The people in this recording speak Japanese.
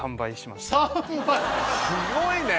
すごいね！